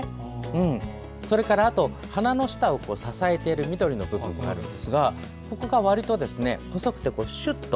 それから花の下を支えている緑の部分があるんですがここが細くてシュッと。